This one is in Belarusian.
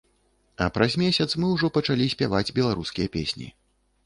А праз месяц мы ўжо пачалі спяваць беларускія песні.